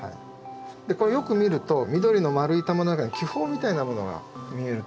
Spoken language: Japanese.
これよく見ると緑の丸い球の中に気泡みたいなものが見えると思うんですけども。